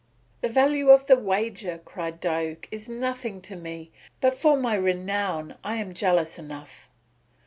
"The value of the wager," cried Diuk, "is nothing to me, but for my renown I am jealous enough."